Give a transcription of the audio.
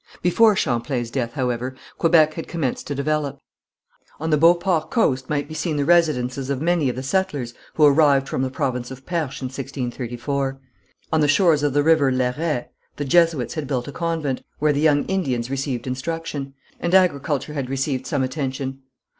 Before Champlain's death, however, Quebec had commenced to develop. On the Beauport coast might be seen the residences of many of the settlers who arrived from the province of Perche in 1634. On the shores of the river Lairet, the Jesuits had built a convent, where the young Indians received instruction; and agriculture had received some attention.